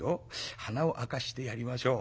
鼻を明かしてやりましょう。